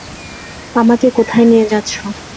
আমাকে কোথায় নিয়ে যাচ্ছো?